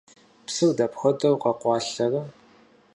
Псыр дапхуэдэу къэкъуалъэрэ?